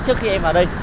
trước khi em vào đây